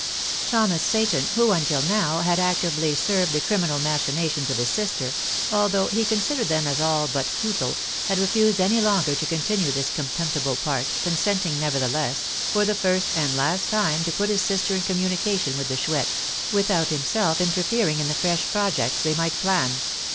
Thomas Seyton, who, until now, had actively served the criminal machinations of his sister, although he considered them as all but futile, had refused any longer to continue this contemptible part, consenting, nevertheless, for the first and last time to put his sister in communication with the Chouette, without himself interfering in the fresh projects they might plan.